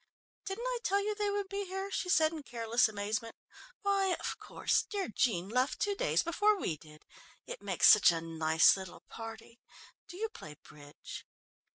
"Didn't I tell you they would be here?" she said in careless amazement. "Why, of course, dear Jean left two days before we did. It makes such a nice little party. Do you play bridge?"